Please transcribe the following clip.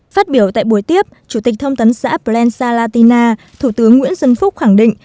phát biểu tại buổi tiếp chủ tịch thông tấn xã plensa latina thủ tướng nguyễn xuân phúc khẳng định